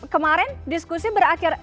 kemarin diskusi berakhir